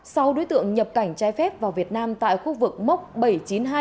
sau đối tượng nhập cảnh trái phép vào việt nam tại khu vực mốc bảy trăm chín mươi hai